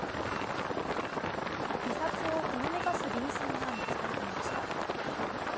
自殺をほのめかす便せんが見つかっていました。